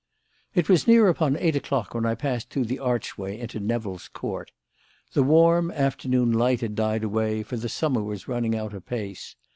It was near upon eight o'clock when I passed through the archway into Nevill's Court. The warm afternoon light had died away, for the summer was running out apace.